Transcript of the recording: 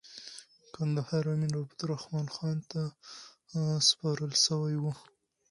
کندهار امیر عبدالرحمن خان ته سپارل سوی وو.